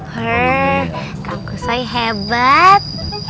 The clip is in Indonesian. herh kangkusoy hebat